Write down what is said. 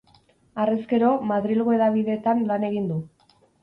Harrezkero, Madrilgo hedabidetan lan egin du.